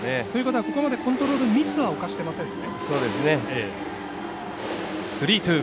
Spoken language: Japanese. ここまでコントロールミスは犯していませんね。